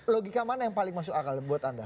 logika mana yang paling masuk akal buat anda